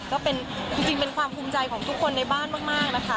ก็เป็นจริงเป็นความภูมิใจของทุกคนในบ้านมากนะคะ